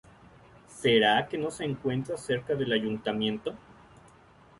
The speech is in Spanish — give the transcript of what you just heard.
¿será que no se encuentra cerca del Ayuntamiento?